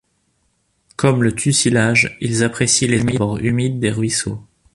Comme le tussilage, ils apprécient les abords humides des ruisseaux.